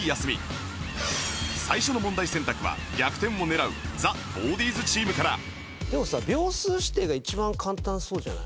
最初の問題選択は逆転を狙う ＴＨＥＢＡＷＤＩＥＳ チームからでもさ秒数指定が一番簡単そうじゃない？